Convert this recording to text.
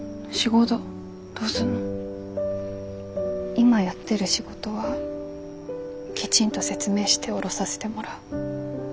今やってる仕事はきちんと説明して降ろさせてもらう。